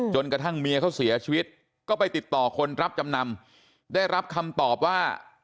จนกระทั่งเมียเขาเสียชีวิตก็ไปติดต่อคนรับจำนำได้รับคำตอบว่า